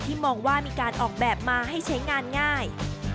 มองว่ามีการออกแบบมาให้ใช้งานง่าย